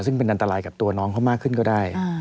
และเป็นศาลกับตัวน้องเขามากขึ้นก็ได้